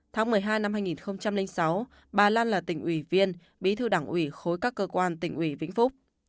tháng một mươi hai năm hai nghìn sáu bà lan là tỉnh ủy viên bí thư đảng ủy khối các cơ quan tỉnh ủy vĩnh phúc